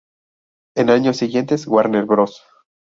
En años siguientes, Warner Bros.